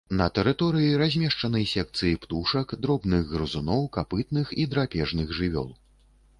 На тэрыторыі размешчаны секцыі птушак, дробных грызуноў, капытных і драпежных жывёл.